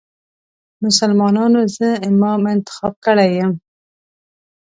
مسلمانانو زه امام انتخاب کړی یم.